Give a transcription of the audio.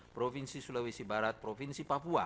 provinsi sulawesi barat provinsi papua